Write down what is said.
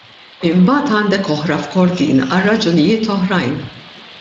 Imbagħad għandek oħra f'Kordin għal raġunijiet oħrajn.